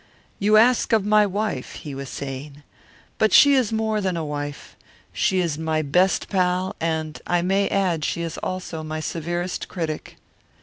"You ask of my wife," he was saying. "But she is more than a wife she is my best pal, and, I may add, she is also my severest critic."